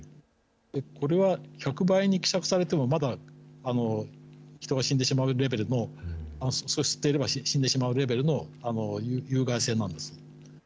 これは１００倍に希釈されてもまだ人が死んでしまうレベルの、吸っていれば死んでしまうレベルの有害性なんです。